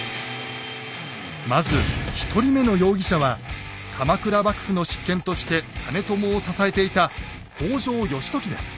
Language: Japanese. まず１人目の容疑者は鎌倉幕府の執権として実朝を支えていた北条義時です。